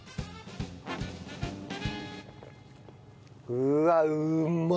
うわうまっ！